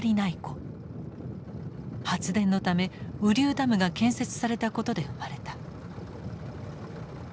発電のため雨竜ダムが建設されたことで生まれた。